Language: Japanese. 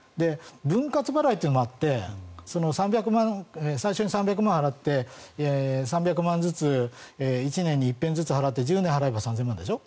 分割払いっていうのもあって最初に３００万円払って３００万ずつ１年に１回ずつ払って１０年払えば３０００万円でしょ。